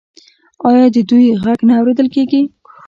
آیا د دوی غږ نه اوریدل کیږي؟